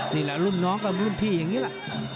นี่แหละรุ่นน้องก็รุ่นพี่อย่างนี้แหละ